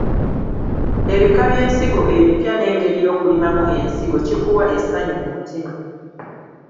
Ebika by’ensigo ebipya n’engeri y’okulimamu ensigo kikuwa essanyu mu mutima.